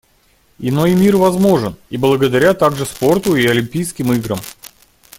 Иной мир возможен, и благодаря также спорту и Олимпийским играм.